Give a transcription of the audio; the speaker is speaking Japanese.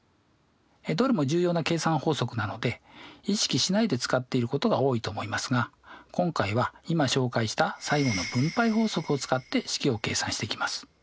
どれも重要な計算法則なので意識しないで使っていることが多いと思いますが今回は今紹介した最後の分配法則を使って式を計算していきます。